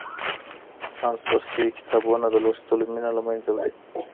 سانسور سوي کتابونه د لوستلو مينه له منځه وړي.